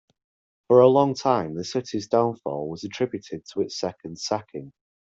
For a long time, the city's downfall was attributed to its second sacking.